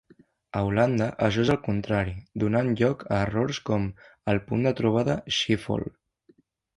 A Holanda això és al contrari, donant lloc a errors com el "punt de trobada Schiphol".